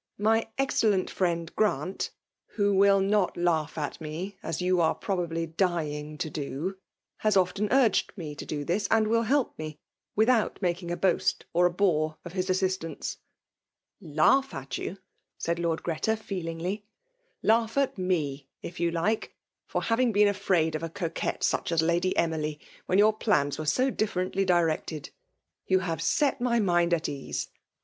My exeelkiil friend Grant (who will not Im^ 1 80 WKXBIX DOMIX^nOlt. it me^ as yov aie probably dying to do) ban often urged me to Uns, and will help me, tfithout making a boast or a bore of bis assist ance." ''Laugfa at you?*' said Lord Oreta feel* ingly. " Laugb at me, if you like, for baving been afraid of a coquette sucb as Lady Emily, irhile your plans were so differently directed* You bave set my mind at ease.